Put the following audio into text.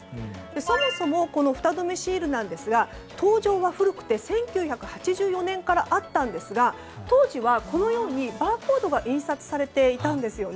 そもそもフタ止めシールですが登場は古くて１９８４年からあったんですが当時はこのようにバーコードが印刷されていたんですよね。